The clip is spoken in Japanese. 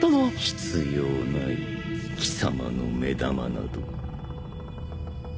必要ない貴様の目玉など。